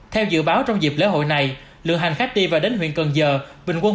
theo dự báo trong dịp lễ hội này lượng hành khách đi và đến huyện cần giờ bình quân